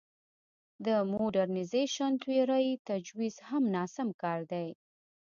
د موډرنیزېشن تیورۍ تجویز هم ناسم کار دی.